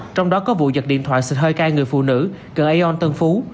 trong đó có vụ giật điện thoại xịt hơi cay người phụ nữ gần aeon tân phú